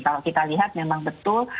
kalau kita lihat memang betul